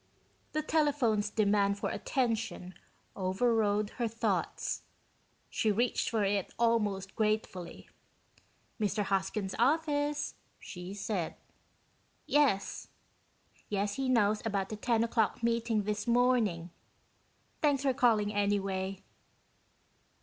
The telephone's demand for attention overrode her thoughts. She reached for it almost gratefully. "Mr. Hoskins' office," she said. "Yes. Yes, he knows about the ten o'clock meeting this morning. Thanks for calling, anyway."